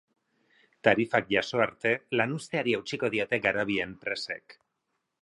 Tarifak jaso arte lanuzteari eutsiko diote garabi enpresek.